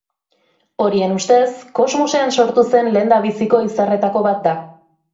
Horien ustez, kosmosean sortu zen lehendabiziko izarretako bat da.